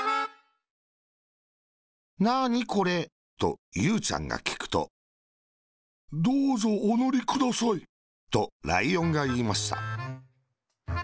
「なーに、これ？」とゆうちゃんがきくと、「どーぞ、おのりください。」とライオンがいいました。